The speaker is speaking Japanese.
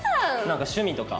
なんか趣味とか。